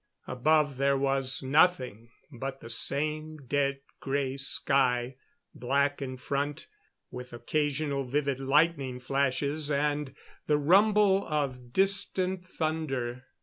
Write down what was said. Above there was nothing but the same dead gray sky, black in front, with occasional vivid lightning flashes and the rumble of distant thunder.